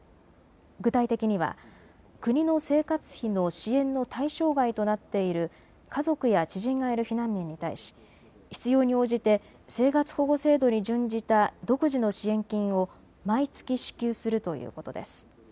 具体的には国の生活費の支援の対象外となっている家族や知人がいる避難民に対し必要に応じて生活保護制度に準じた独自の支援金を毎月支給するということです。